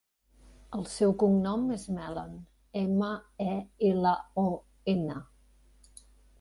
El seu cognom és Melon: ema, e, ela, o, ena.